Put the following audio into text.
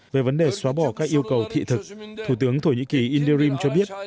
về vấn đề xóa bỏ các yêu cầu thị thực thủ tướng thổ nhĩ kỳ inderin cho biết